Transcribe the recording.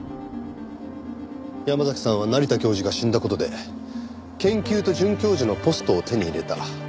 山嵜さんは成田教授が死んだ事で研究と准教授のポストを手に入れた。